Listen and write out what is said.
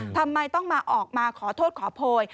ทำไมต้องมาออกมาขอโทษขอโพย